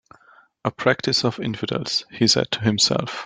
"A practice of infidels," he said to himself.